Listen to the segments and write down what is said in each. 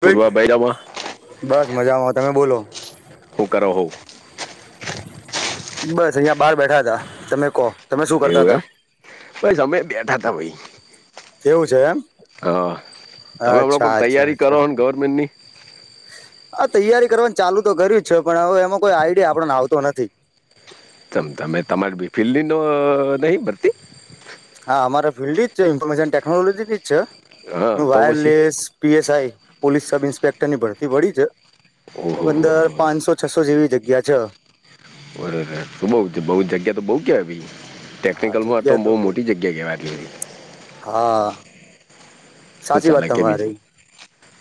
પૂર્વાભાઈ તમે બસ મજામાં તમે બોલો. હું કરો હોવ બસ અહિયાં બહાર બેઠા હતા તમે કો. એવું એમ બસ અમે બેઠા તા ભાઈ. તેવું છે એમ હા તમે લોકો અચ્છા અચ્છા તૈયારી અચ્છા કરો ને ગવર્મેન્ટ ની. આ તૈયારી કરવાનું ચાલુ તો કર જ છે પણ હવે એમાં કોઈ આઈડિયા આપણને આવતો નથી. ત તમે તમારી બી ફિલ્ ન નહી ભરતી હા અમારા ફિલ્ડ જ છે ઇન્ફોર્મેશન ટેકનોલોજી જ છે હા તો પછી વાયરલેસ. પીએસઆઈ પોલીસ સબ ઈન્સ્પેક્ટરની ભરતી પડી છે ઓહો કો હો અંદર હો પાંચસો. છસો જેવી જગ્યા છે. શું બઉ બ જગ્યા તો બઉુ કેવાય ભી હા ટેકનિકલમાં તો જગ્યા બઉુ બહુ મોટી જગ્યા કેવાય એટલી. હા શું સાચી વાત ચાલે કે બીજું તમારી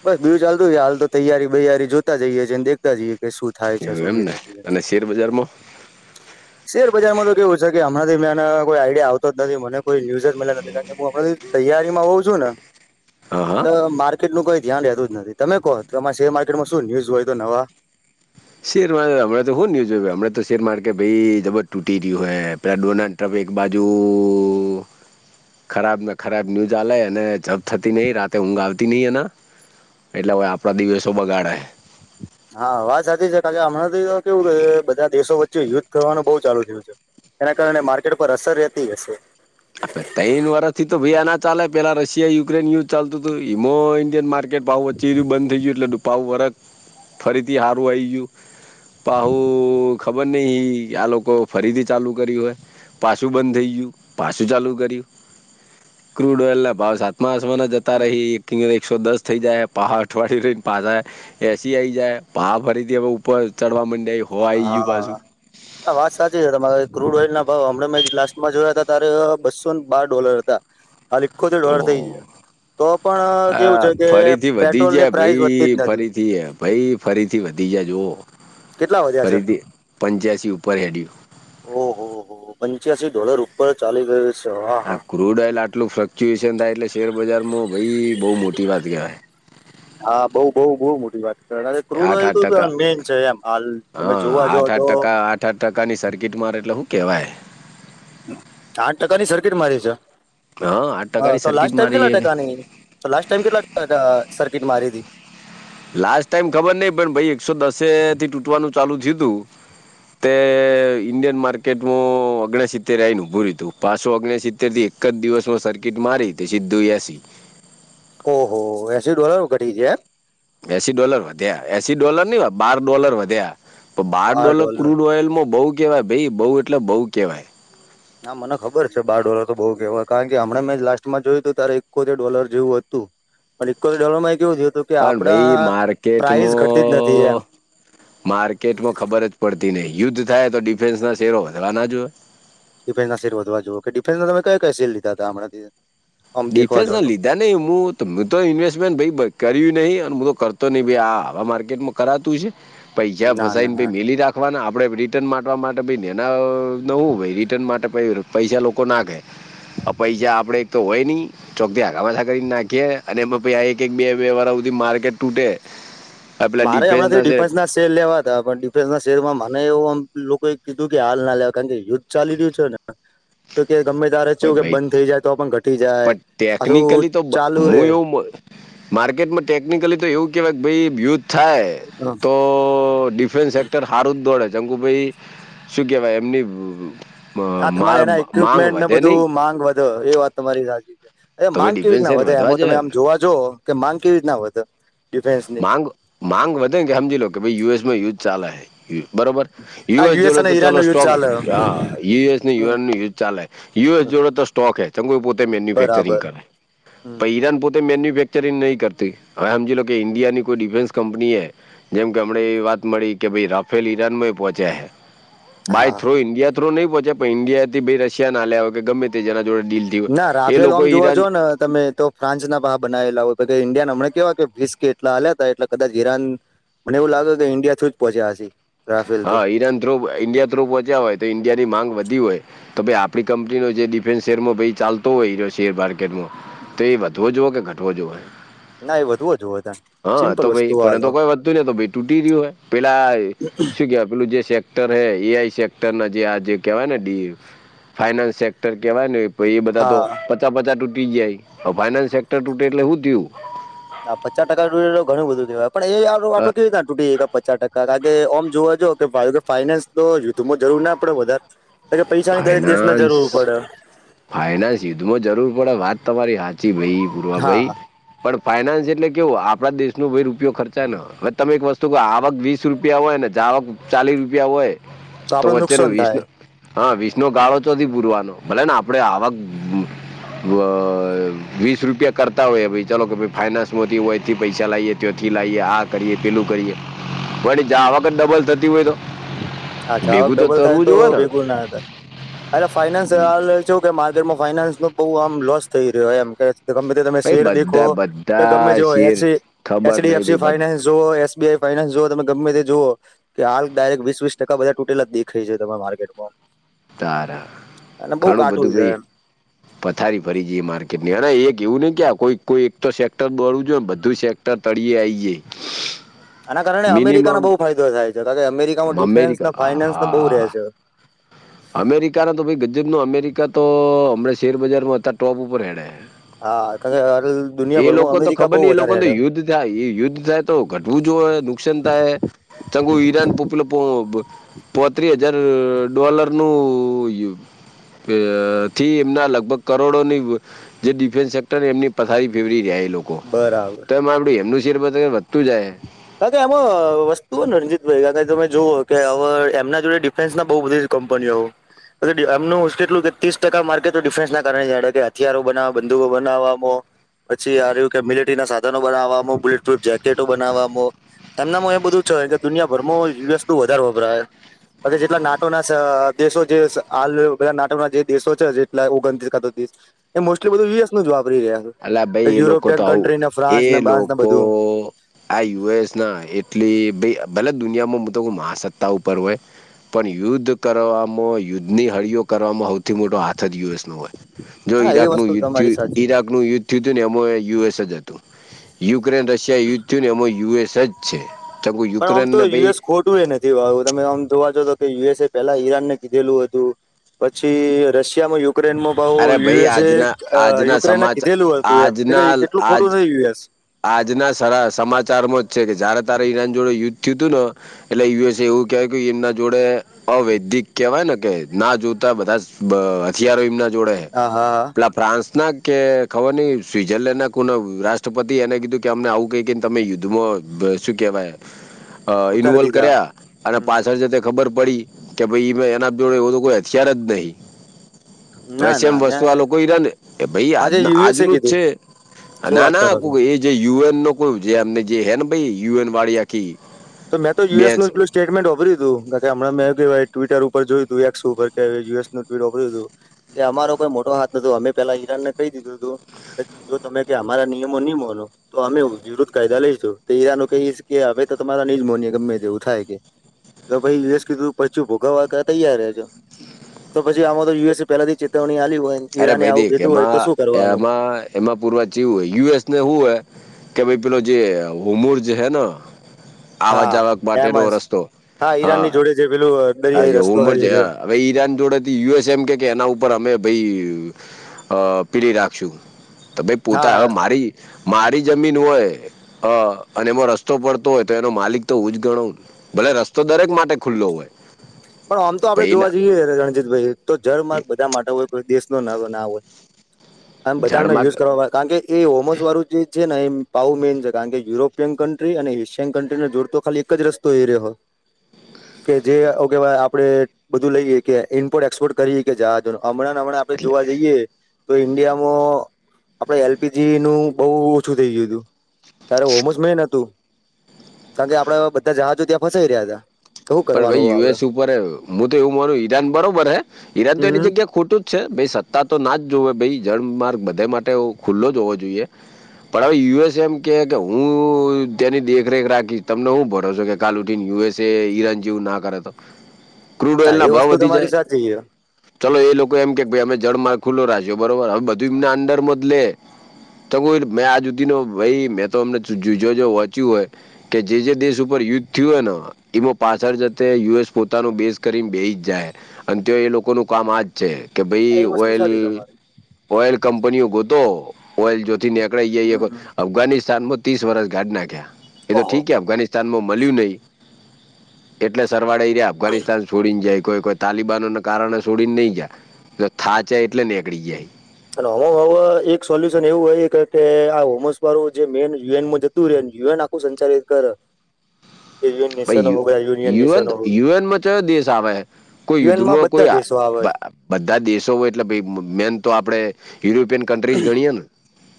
બસ બીું ચાલતું છે હાલ તો તૈયારી બૈયારી જોતા જઈએ છએ અનેને દેખતા જઈએ કે શું થાય છે એવું શું એમ નહીં ને થતું અને શેરબજારમાં. શેર બજારમાં તો કેવું છે કે હમણાંથી મેને કોઈ આઈડિયા આવતો જ નથી મને કોઈ ન્યુઝ જ મળ્યા નથી કારણ કે હું હમંથી તૈયારી માં હોઉ છું ને. હા હા એટલે માર્કેટનું કોઈ ધ્યાન રેતુ જ નથી તમે કહો છ આમાં શેર માર્કેટમાં શું ન્યુઝ હોય તો નવા. શેર મા હણાં તો હું ન્યુઝય હમણા તો શેર માર્કેટ ભાઈ જબર તૂટી રહ્યું હૈ. પલા ડોનાલ્ડ ટ્રમ્પ એક બાજુ ખરાબ ને ખરાબ ન્યૂઝ આલે અને જપ થતી નહી રાતે ઊંઘ આવતી નહી એના. એટલે હવે આપણા દિવસો બગાડાય. હા વાત સાચી છે કાર કે હમણાંથી તો કેવું બધા દેશો વચ્ચે યુદ્ધ કરવાનું બહુ ચાલુ થયું છે. એના કારણે માર્કેટ પર અસર રહેતી હશે. તેન વર્ષ થી તો ભયા ના ચા પેલા રશિયા યુક્રેન યુદ્ધ ચાલતું તું મો ઇન્ડિયન માર્કેટ પાાવ વચ્ચીયું બંધ થઈ ગયું એટલે પાાવ વરખ ફરીથી સારું આવી ગયું પહુ ખબર નહ આ લોકો ફરીથી ચાલુ કરી્યું હોય. પાછું બંધ થઈ ગયું. શું ચાલુ કર્યું ક્રૂડ ઓઇલ ના ભાવ સાતમા આસવાના જતા રહી એક એકસો દસ થઈ જાય પહા અઠવાડય રને પાછ એસી આઈ જાય પાવ ફરીથી હવે ઉપર ચડવા માંડે. હા આ વાત સાચી તમારી ક્રૂડ ઓઈલ ના ભાવ હમં મેં લાસ્ટમાં જોયા હતા તારે બસો ને બાર ડોલર. લખો ડોર ઓહો થઈ જ તો પણ કેવું હા છે કે ફરીથી વધી પેટ્રોલ ની ગયા પ્રાઇસ વધતી જ ભાઈ નથી. ફરીથી ભાઈ ફરીથી વધી જ જોઓ કેટલા વધ્યા છે ફરીથી પંચ્યાસી ઉપર હેડયું. ઓહો હો પંચ્યાસી ડોલર ઉપર ચાલી ગયું છે હા હા ફ્રૂડ ઓઇલ આટલું ફ્લક્ચ્યુએશન થાય એટલે શેરબજારમાં ભાઈ બહુ મોટી વાત કહેવાય. હા બઉુ બહુ બહુ મોટી વાત. ક્રૂડ આઠ ઓયલ તો આઠ ટકા મેઈન છે એમ હાલ તમે જોવા જા તો અઠ્ઠાર ટકાની સર્કિટ મારે એટલે શું કહેવાય આઠ ટકાની સર્કિટ મારી છે હા આઠ હ ટકાની તો લાસ્ટ સર્કિટ ટાઈમ મારી કેટલા એ ટકાની. તો લાસ્ટ ટાઈમ કેટ લ સર્કિટ મારી હતીથી લાસ્ટ ટાઈમ ખબર નહી પણ ભ ઈ એકસો દસે થી તૂટવાનું ચાલુ થય તુ તે ઈન્ડિયન માર્કેટમાં ઓગણ સિત્તેર આવીને ઊભું રહ્યું હતું પાંસો ઓગણ સિત્તેર થી એક એક જ દિવસમાં સર્કિટ મારી સીધું એસી ઓહો એસી ડોલર ઘટી જાય એમ એસી ડોલર વધ્યા એસી ડોલર નની બાર ડોલર વધ્યા બાર ડોલર ક્રૂડ ઓઇલમાં બઉ કેવાય ભાઈ બઉ એટલે બઉ કેવાય હા મને ખબર છે બાર ડોલર તો બહુ કેહેવાય કારણ કે હમણે મેં લાસ્ટમાં જોયું તું ત્યારે એકોતેર ડોલર જેવું હતું પણ એકોતેર ડોલર માં કેવું થયુ હતું કે પણ આપડા ભાઈ પ્રાઇસ ઘટતી જ નથી એમ માર્કેટમાં માર્કેટમાં ખબર જ પડતી નહી યુદ્ધ થાય તો ડિફેન્સ ના શેરો વધવા ના જો ડિફેસના સેલ વધવા જુઓ કે ડિફન્સના તમે કયા સે લીધા હમણાથી ડિફેન્સ ના લીધા ને નહીં હું મે તો ઇન્વેસ્ટમેન્ટ ભાઈ કર્યું નહીં અને હું તો કરતો નહીં ભાઈ આ આવા માર્કેટમાં કરાતું છે પૈસા ના ફસાઈ ના ન ના ભાઈ ના. મેિલી રાખ નાખવા આપણે રિટર્ન માટવા માટે ભને એના નવું રિટર્ન માટે પૈસા લોકો નાખે પૈસા આપડે એક તો હોય ચોક આામાથા કરીને નાખીએ અને એ પ એક એક બે બે વાધી માર્કેટ તૂટે આપેલા મારે ડિફેન્સ હમણાંથી ના છે ડિફેન્સના શેર લેવા હતા પણ ડિફેન્સ ના શેરમાં મને એવું આમ લોકોએ કીધું કે હાલ ના લેવા કારણ કે યુદ્ધ ચા લી રહ્યું છે ને હ [inaudible] તો કે ગમે ત્યારે તેનું ભાઈ કે ભાઈ બંધ થઈ જાય તો પણ ઘટી જાય પણ આછું ટેકનિકલી તો બ ચાલુ હું રે એવું મ માર્કેટમાં ટેકનિકલી તો એવું કેવાય ભાઈ યુઘ થાય હમ. તો ડિફેન્સે અત હારું જ દોડે શંકુભાઈ શું કેહેવાય એમની અ, હા મા તમારે એના માંગ ઈક્વિપમેન્ટને વધે નહીં બધું માંગ વધો એ વાત તમારી સાચી અરે તો ભાઈ માંગ કેવી ડિફેન્સ રીતના સેર વધે વધવા એમાં તમે જોઈએ આમ ને જોવા જ કે માંગ કેવી રીતના વધે ડિફેન્સની માંગ માંગ વધે કે સમજી લો કે ભ ઈ યુએસ માં યુદ્ધ ચાલે બરોબર આ યુએસ જોલો અને તો ચાલ ઈરાનનું યુદ્ધ સ્ટોક ચાલે હ યુએસને હમ યુએન યુ ચાલે યુએસ હમ. જોડે તો સ્ટોક હ ચંમકે પોતે મેન્યુફેક્ચરિંગ બરાબર કરે હમ પણ ઈરાન પોતે મેન્યુફેક્ચરિંગ નહીં કરતી હવે સમજી લો કે ઈન્ડિયાની કોઈ ડિફેન્સ કંપની એ જેમ કે હમણે એવી વાત મળી કે ભાઈ રાફેલ ઈરાન માંય પોહોંચ્યા છે. બાય હા થ્રો ઇન્ડિયા થ્રો નહી પહોચે પણ ઈન્ડિયા થી ભ રશિયા ના આલ્યા હોય કે ગમે તેના જોડે ડીલ થઈ ના હોય એ રાફેલ ઓમ લોકો જોવા જો ઈરાન ને તમે તો ફ્રાન્સના ભ બનાવેલા હોય ઈન્ડિયાના મને કેવા કે ભીસ્ કે એટલા હલ્યા હતા એટલે કદાચ ઈરાન મને એવું લાગે કે ઈન્ડિયા થય જ પહોચ્યા હશે રાફેલ તો હા ઈરાન થ્રુ ઇન્ડિયા થ્રુ પહોચ્યા હોય તો ઈન્ડિયા ની માંગ વધી હોય તો ભાઈ આપણી કંપનીનો જે ડિફેન્સ શેરમાં ભાઈ ચાલતો હોય એ શેર માર્કેટમાં તો એ વધવો જુવ કે ઘટવો જોવો ના એ વધુ જ હોતા હા સિમ્પલ તો ભાઈ વસ્તુ આ પણ એ તો કોઈ વધતું નને તો ભાઈ તૂટી રહય્યું હો પેલા પેલું જે સેક્ટર હ એ આઈ સેક્ટર ના જે આ કેવાય નેડી ફાઇનેન્સ સેક્ટર કેવાય ને એ બધા તો હા પચા પચા તૂટી જાય ફાઈનાન્સ સેક્ટર તૂટે એટલે હુ થયું. હા પચાસ ટકા તુટે તો ધણુ બધું થય પણ એાર આપડ કેવી રીતના તૂટી ગ પચાસ ટકા કાર કે આમ જોવા જા કે ભ ઈ કે ફાઈનાન્સ તો યુઘમાં જરૂર ના પડે વધારે કે પૈસાની દરેક દેશને જરૂર પડે. ફાયના સીધમાં જરૂર પડે વાત તમારી હાચી ભાઈ પુરવા હા ભાઈ પણ ફાઈનાન્સ એટલે કેવો આપડા દેશ ન ભાઈ રૂપિયો ખર્ચા ન હવે તમે એક વસ્તુ આવક વીસ રૂપિયા હોય ને જ આવક ચાલીસ રૂપિયા હોય તો આપડે વચ્ચેનો નુકસાન વીસ થાય નો હા વિસનો ગાળો ચોથી પુરવાનો ભલે ને આપડે આવક [unintelligible] ગ અ વીસ રૂપિયા કરતા હોય બિજા લોકો બી ફાઈનાન્સ વથી હોય એથી પૈસા લાવએ ત્યથી લાઈએ આ કરીએ પેલું કરીએ, પણ જ્યા આવક જ ડબલ થતી હોય તો? જાવક ભેગું ડબલ થાય તરવું તો જોવે ને ભેગુ ના અ અરે ફાઈનાન્સ આ [unintelligible] ચેવુ કે માર ઘેર માં ફાઈનાન્સ નો બો આમ લોસ થઈ રહ્યો એમ કે કે ગમે તે તમે ભાઈ શેર દેખો બધા કે ગમે બધા જ ઓય એ શેર ચ એ ચ ખબર ડી ફ સી નહીં ભાઈ ફાઈનાન્સ જુઓ અ સ બી આ ઈ ફાઇનાન્સ જો તમે ગમે તે જુઓ કે હાલ ડાયરેક્ટ વીસ વીસ ટકા બધા તૂટેલા જ દેખય જાય તમાર માર્કેટમાં. તાર અને બહુ ઘણું કાટું બધું છે ભઈ એમ પથારી ફરી જઈ માર્કેટની એક એવું નય કે આ કોઈ કોઈ એક તો સેક્ટર બોલવું જોઈ ને બધું સેક ટર તળયે આઈ જાઈ. આના કારણે અમેરિકાનો બો ફાયદો થાય છે કા કે અમેરિકામાં ડિફેન્સ ને અમેરિકા ફાઈનાન્સ તો બો હા રેસે હવે. અમેરિકાના તો ભઈ ગજબ નો અમેરિકા તો હમણાં શેરબજારમાં અતા ટોપ ઉપર હેડે હે. હા [unintelligible] એ લોકો તો અમેરિકા ખબર બહુ ની એ લોકો વધારે તો હેડે યુદ્ધ થાય એ યુદ્ધ થાય તો ઘટવું જો અ નુકસાન થાહે, તંગુ ઈરાન પોપુલો પો અ પોત્રી હજાર ડોલર નું યુ બઅ થી એમના લગભગ કરોડોની જે ડિફેન્સ સેક્ટરન એમની પથારી ફેવરી રહ્યા એ લોકો બરાબર તો માં વળી એમનું શેર બજાર વધતું જાહે. કા કે એમાં અ વસ્તુઓ રંજિતબઈ તમે જુઓ કે અવે એમના જોડે ડી ફેન્સ ના બો બધી કંપનીઓ [unintelligible] એમનું કેટલું કે ત્રીસ ટકા માર્કેટ ડિફરન્સ ના કારણેે કે હથયારો બના બંદુકો બનાવમાં પછી આર્યું કે મિલેટરી ના સાધનો બનાવામાં બુલેટ પ્રુફ જેકેટો બનાવા માં એમનામાં એ બધું છે કે દુનિયાભરમાં યુએનુ વધારે વપરાહે. પછી જેટલા નાટોના સ દેશો જે સ હાલ બધા નાટોના જે દેશો છે જેટલા ઓગણતીસ કાતો તીસ એ મોસ્ટલી બધું યુએસ નુજ વાપરી રહ્યા. અલા છે ભઈ એ લોકો યુરોપિયન તો આવું, કન્ટ્રી ને એ ફ્રાન્સ ને બાન્સ ને લોકો બધું આ યુએસ ના એટલી ભય ભલે દુનિયામો મો તો મહાસત્તા ઉપર હોય પણ યુદ્ધ કરવામો યુદ્ધની હળિઓ કરવામાં હ્વૈથી મોટો હાથ જ યુએસ નો હોય જો હા એ ઈરાકનું વસ્તુ યુદ્ધ તમારી થ્યુ સાચી ઈરાક નું યુદ્ધ થ્યુ તું એમોએ યુએસ જ હતું, યુક્રેન રશિયા યુદ્ધ થ્યુ એમોય યુએસ જ છે તો યુક્રેનને ભઈ તુએ નથી [unintelligible] તમે આમ જોવા જો તો કે યુએસ એ પેલા ઈરાન ને કીધેલું અતું. પછી રશિયામાં યુક્રેનમાં બઉ અરે ભાઈ યુએસે આજના અ આજના યુક્રેન સમાચાર કીધેલું અતું એમ કે કે આજના એટલું આજ ખોટું નહી યુએસ. આજના સરા સમાચારમાં જ છે કે જયારે તારે ઈરાન જોડે યુદ્ધ થ્યુ તું ન એટલે યુએસએ એવું કયું કે એમના જોડે અવૈદિક કેવાય ને કે ના જોતા બધા બ હથિયારો એમ ના જોડે હે આ હા હા. પેલા ફ્રાન્સ ના કે ખબર નય સ્વિઝરલેન્ડ ના કોના રાષ્ટ્ર પતિ એને કીધું કે અમને આવું કઈ કઈ ને તમે યુદ્ધમાં ગ શું કેવાય અ ઉતારી ઇન્વોલ્ દીધા કર્યા અને પાછળ જે તે ખબર પડી કે ભઈ ઈબી એના જોડે એવ તો કોઈ હથિયાર જ નહીં ના વેસે ના મેં [unintelligible] લોકો ઈરાને ભઈ આજ આજે યુએસએ આજનું જ કીધું છે શું ના વાત ના કરો છો કોક એ જે યુએન નો કો જેમને જે હે ને ભાઈ યુએન વાળી. આખી તો મે તો યુએસનુ બેન્ચ એટલૂજ સ્ટેટમેન્ટ હ્મબ્યુ તું કે કે હમણા મે કેવાય ટ્વિટર ઉપ જોયું તું એક્સ ઉપર કે યુએસ નું [unintelligible] વાપર્યું તું કે અમારો કોઈ મોટો હાથ નોતો અમે પેલા ઈરાન ને કય દીધું હતું કે જો તમે કે અમારા નિયમો નિ મોનો તો અમે વિરુદ્ધ કાયદા લઈશું તે આ લોકો ઈજ કે અમે તો તમારા નીજ માન્યિએ ગમે તેવું થાય કે તો પછી યુએસ કીધું પછી ભોગાવા તૈયાર હ છો તો પછી આમતો યુસએ પેહલાથી ચેતવણી આલી હોય અરે ઈરાને ભાઈ આવું દેક કીધું હોય તો એમાં શું કરવાનું એમાં એમાં પૂરવાચવું હોય યુ એસને હું હોય કે ભઈ પહેલો જે હુમર જે હૈ ન આવવાક હા જાવક એમ માટેનો જ રસ્તો હા ઈરાનની જોડે પેલું દરિયાઈ રસ્તો થયો રહ્યો હ ઈરાન જોડેથી યુએસ એમ કે કે એના ઉપર અમે ભાઈ અ પીડી રાખશુ તો ભાઈ પોતા હા હવે મારી મારી જમીન હોય હા અને એમાં રસ્તો પડતો હોય તો એનો માલિક તો હોું જ ગણાવુંને ભલે રસ્તો દરેક માટે ખુલ્લો હોય પણ આમ તો આપડે ભાઈ એના જોવા જઈએ રણજીતભાઈ તો જરમાંર્ બધા માટે હોય કોઈ દેશનો ના ના હોય આમ બધાનો ઝાડમાં યુઝ કરવામાં આવે કારણ કે એ હોમસ વાળું જે છેને એ પાાવ મેઈન છે કારણ કે યુરોપિયન કન્ટ્રી અને એશિયન કન્ટ્રીને જોડતો ખાલી એક જ રસ્તે તૈયરી હોય [inaudible] કે જે કે આપડે બધું લઈએ કે ઇ્પોર્ટ એક્સપોર્ટ કરીએ કે જજ હમણાં હમં આપણે એટલે જોવા જઈએ તો ઈન્ડિયામાં આપડે એલ પી જી નું બહુ ઓછું થઇ ગયું હતું ત્યારે હોમોસ મેન હતું કારણ કે આપડાે બધા જહાજો ત્યાં ફસાઈ રહ્યા હતા તો શું પણ ભાઈ કરવાનું આપડે યુએસ ઉપર હું તો એવું માનું ઈરાન બરોબર હે ઈરાન તો એની હમ જગ્યા ખોટું જ છે ભાઈ સત્તા તો ના જ જોવે ભ જળ માર્ગ બધે માટે ખુલ્લો જ હોવો જોઈએ પણ હવે યુએસ એમ કે કે હું તની દેખરેખ રાખીશ તમને હું ભરો છો કે કાલ ઉઠીને યુએસ એ ઈરાન જેવું ના કરે તો ક્રુડ ઓઇલ હા ના એ ભાવ વસ્તુ વધી તમારી જાય સાચી છે. ચલો એ લોકો એમ કે ભાઈ અમે જળમારગ ખુલ્લો રાખો બરોબર હવે બધું એમના અંદર માં જ લે તો કોઈ મેં આ જુદી ન ભાઈ મેં તો અમને જોજ વહંચ્યું હોય કે જે જે દેશ ઉપર યુદ્ધ થયું હોય ને એમાં પાછળ જતે યુએસ પોતાનો બેઝ કરીને બે જ જાય અને તે એ લોકોનું કામ આજ છે કે એ ભાઈ વસ્તુ સાચી ઓઇલ તમારી ઓઈલ કંપનીઓ ગોતો ઓઇલ જોતી નીકળ જ હમ હમ અફઘાનિસ્તાનમાં ત્રીસ વર્ષ ગાઢ નાખ્યા એ તો ઓહો ઠીક કે હો. અફઘાનિસ્તાનમાં મળ્યું નહીં એટલે સરવાળ એ રહ્યા અફઘાનિસ્તાન છોડીને જાય કોઈ કોઈ તાલિબાનોને કારણે છોડીને નહીં જાય તો થા જાય એટલે નેનીકળી જાય અને હ હવે એક સોલ્યુશન એવું હોય કે આ હોમસ વારું જે મેન યુએન ુરન યુએન આખું સંચાલિત કર [unintelligible] યુનિયન યુએન નેશનો હો યુએનમાં કયો દેશ આવે કોઈ યુએનમાં યુદ્ધમાં બધા કોઈ દેશો આવે છે. બધા દેશો હોય એટલે મેન તો આપડણે યુરોપિયન કન્ટ્રીજ ગણીએે ને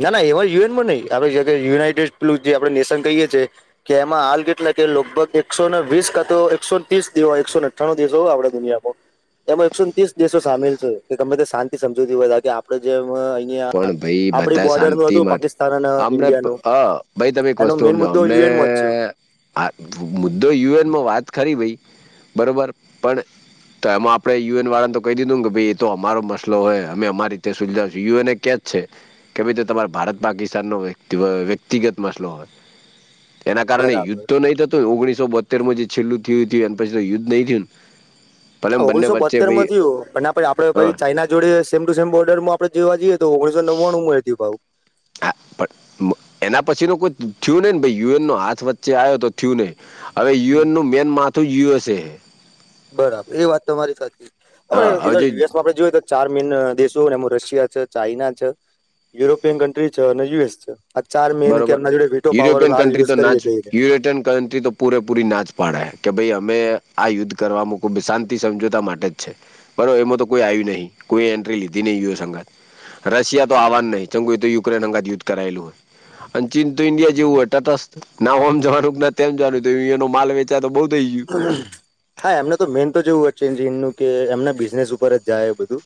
ના ના એમાં યુએનમાં નહ આપણે યુનાઇટેડલ જે આપડણે નેશન કહીએ છીએ કે એમાં હાલ કેટલા કે લગભગ એકસોને વીસ કાતો એકસોને ત્રીસ દવા એકસોને અ દેશ હો આપે દુનિયામાં એમાં એકસો ત્રીસ દેશો સામેલ છે કે ગમે તે શાંતિ સમજૂતી હોય હતાા કે આપડે જેમ અહિયાં પણ ભાઈ આપડી બધા બોર્ડરનું શાંતિ હતું માટે પાકિસ્તાન અને હમણા ઇન્ડિયાનું ભાઈ તમે એક એનો વસ્તુ મેન સમમજ મુદ્દો અમને યુએનમાં જ છે. હા મુદ્દો યુએનમાં વાત ખરી ભાઈ બરોબર પણ તો એમાં આપડણે યુએન વાળાને તો કહી દીધું કે ભાઈ એ તો અમારો મસલો હોય અમે અમારી રીતે સુલજાવશું યુએ કે છે કે ભાઈ તમારે ભારત પાકિસ્તાન ન વ્યક્તિગત મસલો હોય એના કારણે યુદ્ધ બરાબર તો નઈંતુંને ઓગણીસો બોતેરમાં જે છેલ્ું થયું એ પછી યુદ્ધ નઈ થયું ભલે એમ બંને ઓગણીસો વચ્ચે બોતેર ભાઈ માંયું પણ આપે હ આપેછી ચાઈના જોડે સેમ ટુ સેમ બોર્ડર માં આપણે જોવા જઈએ તો ઓગણીસો નવ્વાણું મળીયું ભઉ હા પણ એના પછી ન કોઈ થયું નહીિ ને ભ યુ એન નો હાથ વચ્ચે આવ્યો તો થયું નહીિ હવે યુ એન નું મેન માથું યુ એસ એ હે બરાબર એ વાત તમારી સાથે આપ હા હવે જે યુએસમાં આપણે જોય તો ચાર મેન દેશો એમ રશિયા છે ચાાઈના છે યુરોપિયન કન્ટ્રી છે અને યુએસ છે આ ચાર મેઇન કે બરોબર એમના જોડે વિટો પાવર ન હાલ યુઝ કરીએ કઈ ર યરોપયન કન્ટ્રી તો પૂરેપૂરી નાચ પાડાય કે ભાઈ અમે આ યુદ્ધ કરવાવામાં ખબ શાંતિ સમજોતા માટે જ છે બરો એમાં તો કોઈ આવ્યું નહીિ કોઈ એન્ટ્રી લીધી યંગ રશિયા તો આવવા નહી ચંગુ તો યુક્રેન અંગા યુ્ધ કરેલું હોય અને ચીન તો ન્ડિયા જે ઉળટા ના હમ જવાનું ના તેમવાનું એનો માલ વેચા તો બઉુ થઈ ગય હા એમને તો મેન તો જેવું જ ચેન્જન નનું કે એમના બિઝનેસ ઉપર જ જાય બધું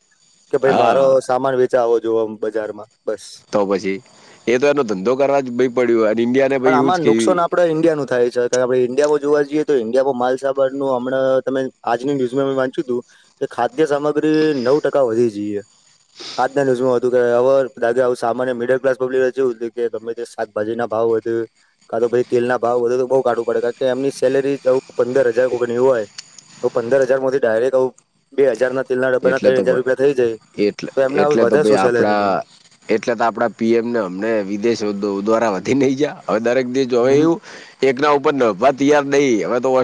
કે ભાઈ મારો હા સામાન વેચાાવો જોુ બજારમાં બસ. તો પછી એ તો એનો ધંધો કરવા જ ભ પડ્યો અને ઈન્ડિયા ને ભ એવું જ કે ઇન્ડિયા નું થાય છે આપણે ઈન્ડિયામાં જોવા જઈએ તો ઈન્ડિયામાં માલસાબર નું હમં તમે આજની ન્યુઝમાં વાંચ્યું હતું કે ખાદ્ય સામગ્રી નવ ટકા વધી જઈએ આજના ન્યુઝું હતું કે હવેાગેું સામાન્ય મિડલ ક્સ પબ્લિક જેવુંું કે ગમે તે ભાજી ના ભાવ વધુ કા તોછ તેલ ના ભાવ વધુ તો બહઉ કાટું પડે કારણ કે એમની સેલેરીવ પંદર હજાર કોવું હોય તો પંદર હજાર માંથી ડાયરેક્ટ બે હજાર ના તેલના ડબ્બા ના એટલે તો ત્રણ હજાર રૂપિયા થઈ જાય એટલે તો એમને હ એટલે તો વધારે ભાઈ શું સેલેરી મળે આપણા એટલે તો આપડા પીએમને અમને વિદેશ દ્વારા વધી નહી જયા હવે દરેક દેશ જોવે એવું એક ના ઉપર નભવા તૈયાર નહીં હવે તો વ